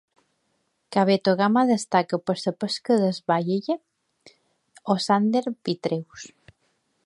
Kabetogama destaca per la pesca del "walleye" o "Sander vitreus".